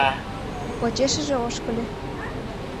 Почешыже ошкыльо.